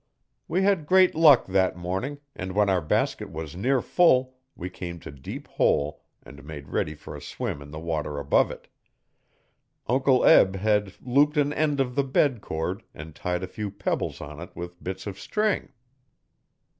We had great luck that morning and when our basket was near full we came to Deep Hole and made ready for a swim in the water above it. Uncle Eb had looped an end of the bed cord and tied a few pebbles on it with bits of string.